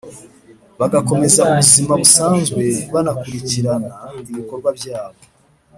Bagakomeza ubuzima busanzwe banakurikirana ibikorwa byabo